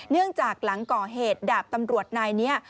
เนื่องจากหลังก่อเหตุดาบตำรวจนายนี้